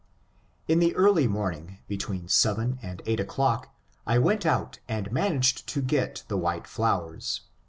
In the early morning, between seven and eight o'clock, I. went out and managed to get the white flowers.